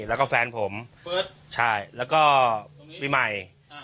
แล้วก็แฟนผมเฟิร์สใช่แล้วก็ตรงนี้วิมัยอ่า